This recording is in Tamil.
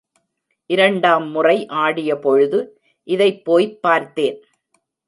இரண்டாம் முறை ஆடியபொழுது இதைப்போய்ப் பார்த்தேன்.